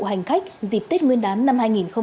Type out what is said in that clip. hành khách dịp tết nguyên đán năm hai nghìn hai mươi